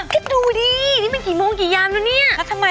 คิดดูดินี่มันกี่โมงกี่ยามแล้วเนี่ย